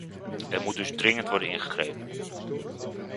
Er moet dus dringend worden ingegrepen.